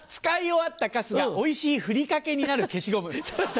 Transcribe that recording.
使い終わったカスがおいしいふりかけになる消しゴムいいでしょ？